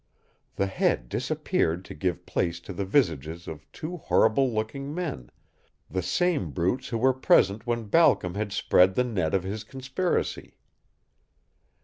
The head disappeared to give place to the visages of two horrible looking men, the same brutes who were present when Balcom had spread the net of his conspiracy.